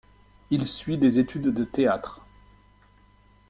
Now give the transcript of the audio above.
Il suit des études de théâtre.